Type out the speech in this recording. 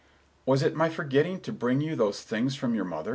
Mr. Richards: "Was it my forgetting to bring you those things from your mother?"